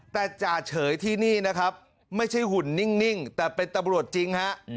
แต่จ่าเฉยที่นี่นะครับไม่ใช่หุ่นนิ่งแต่เป็นตำรวจจริงฮะ